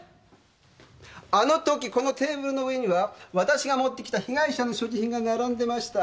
あのときこのテーブルの上にはわたしが持ってきた被害者の所持品が並んでました。